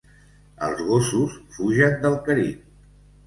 Els gossos fugen del Carib.